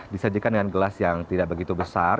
disajikan dengan gelas yang tidak begitu besar